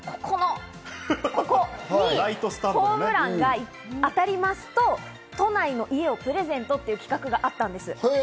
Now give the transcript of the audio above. この小さいエリアとここにホームランが当たりますと、都内の家をプレゼントという企画があったんです。